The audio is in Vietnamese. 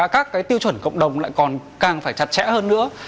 các cái tiêu chuẩn cộng đồng lại còn càng phải chặt chẽ hơn nữa